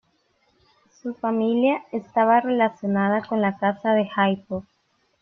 Su familia estaba relacionada con la Casa de Jaipur.